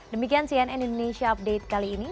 demikian cnn indonesia update kali ini